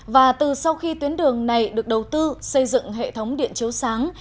và từ sau khi tuyến đường này được đầu tư xây dựng hệ thống điện chiếu sáng